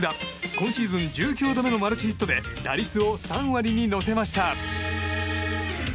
今シーズン１９度目のマルチヒットで打率を３割に乗せました。